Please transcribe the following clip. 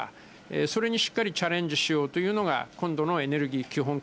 それにしっかりチャレンジしようというのが、今度のエネルギー基